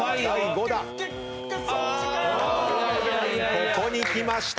ここにきました。